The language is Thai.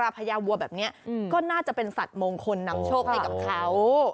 พญาวัวแบบนี้ก็น่าจะเป็นสัตว์มงคลนำโชคให้กับเขา